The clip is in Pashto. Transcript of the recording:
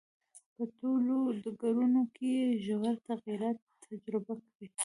په ټولو ډګرونو کې یې ژور تغییرات تجربه کړي.